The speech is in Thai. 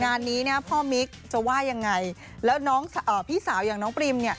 งานนี้เนี่ยพ่อมิ๊กจะว่ายังไงแล้วน้องพี่สาวอย่างน้องปริมเนี่ย